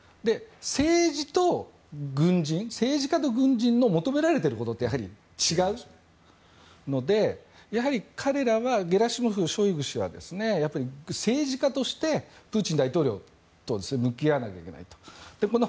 政治と軍人、政治家と軍人の求められていることって違うのでやはり彼らはゲラシモフ、ショイグ氏は政治家としてプーチン大統領と向き合わなきゃいけないと。